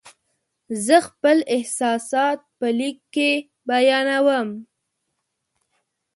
زه خپل احساسات په لیک کې بیانوم.